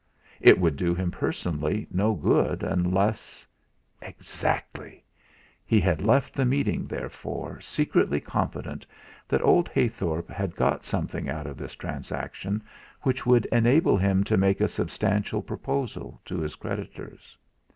It would do him personally no good, unless Exactly! He had left the meeting, therefore, secretly confident that old Heythorp had got something out of this transaction which would enable him to make a substantial proposal to his creditors.